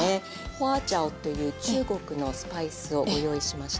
花椒という中国のスパイスをご用意しました。